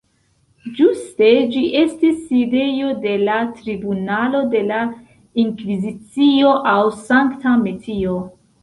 Ĝuste ĝi estis sidejo de la Tribunalo de la Inkvizicio aŭ Sankta Metio.